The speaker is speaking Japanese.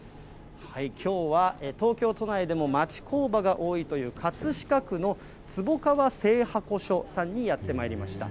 きょうは、東京都内でも町工場が多いという葛飾区の坪川製箱所さんにやってまいりました。